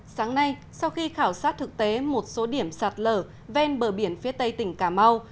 sáng nay sau khi khảo sát thực tế một số điểm sạt lở ven bờ biển phía tây tỉnh cà mau